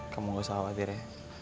kamu gak usah khawatir ya